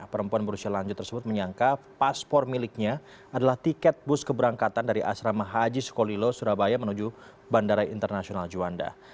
perempuan berusia lanjut tersebut menyangka paspor miliknya adalah tiket bus keberangkatan dari asrama haji sukolilo surabaya menuju bandara internasional juanda